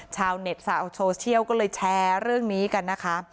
ชาวเน็ตสาวโซเชียลก็เลยแชร์เรื่องนี้กันนะคะ